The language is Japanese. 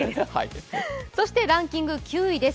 そしてランキング９位です。